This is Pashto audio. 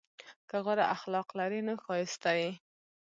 که غوره اخلاق لرې نو ښایسته یې!